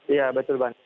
iya betul bang